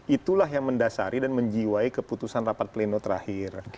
itulah yang mendasari dan menjiwai keputusan rapat pleno terakhir